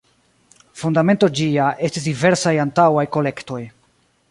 Fundamento ĝia estis diversaj antaŭaj kolektoj.